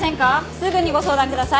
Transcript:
すぐにご相談ください。